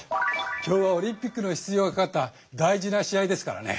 今日はオリンピックの出場がかかった大事な試合ですからね。